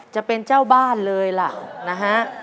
จะเป็นเจ้าบ้านเลยล่ะนะฮะ